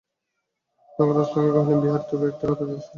তখন রাজলক্ষ্মী কহিলেন, বিহারী, তোকে একটা কথা জিজ্ঞাসা করি।